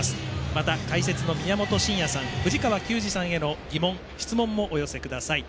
また、解説の宮本慎也さん藤川球児さんへの疑問、質問もお寄せください。